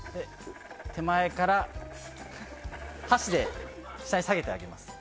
手前から箸で下に下げてあげます。